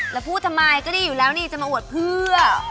แล้วพูดทำไมก็ดีอยู่แล้วนี่จะมาอวดเพื่อ